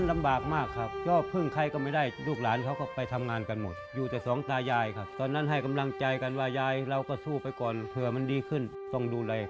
แท่งที่ติดอยู่บนตู้เย็น